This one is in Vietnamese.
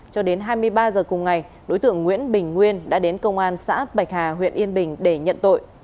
cho đến hai mươi ba h cùng ngày đối tượng nguyễn bình nguyên đã đến công an xã bạch hà huyện yên bình để nhận tội